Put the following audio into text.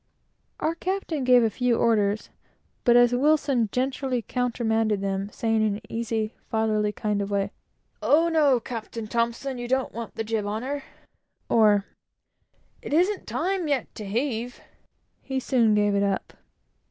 Our captain gave a few orders, but as Wilson generally countermanded them, saying, in an easy, fatherly kind of way, "Oh no! Captain T , you don't want the jib on her," or "it isn't time yet to heave!" he soon gave it up.